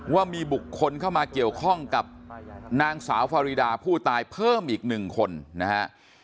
ว่ามีบุคคลเข้ามาเกี่ยวข้องกับนางสาวฟารีดาผู้ตายเพิ่มอีกหนึ่งคนนะฮะ